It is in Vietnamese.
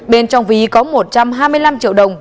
bên trong ví có một trăm hai mươi năm triệu đồng